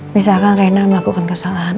misalkan rena melakukan kesalahan